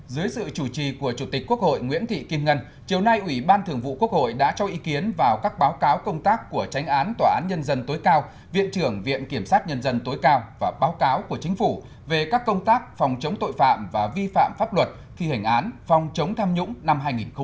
dưới sự chủ trì của chủ tịch quốc hội nguyễn thị kim ngân chiều nay ủy ban thường vụ quốc hội đã cho ý kiến vào các báo cáo công tác của tránh án tòa án nhân dân tối cao viện trưởng viện kiểm sát nhân dân tối cao và báo cáo của chính phủ về các công tác phòng chống tội phạm và vi phạm pháp luật khi hình án phòng chống tham nhũng năm hai nghìn một mươi chín